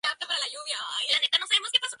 Turin, Sci.